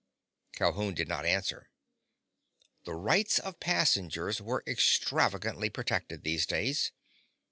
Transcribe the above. Calhoun did not answer. The rights of passengers were extravagantly protected, these days.